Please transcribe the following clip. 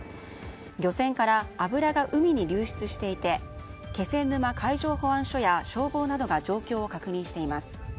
漁船から油が海に流出していて気仙沼海上保安署や消防などが状況を確認しています。